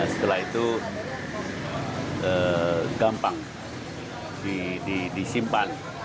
setelah itu gampang disimpan